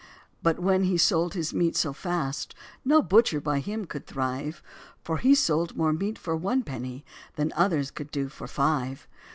But when he sold his meat so fast, No butcher by him could thrive; For he sold more meat for one peny Than others could do for five.